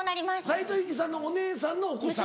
斉藤由貴さんのお姉さんのお子さん。